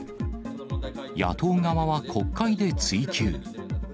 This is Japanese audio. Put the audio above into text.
野党側は国会で追及。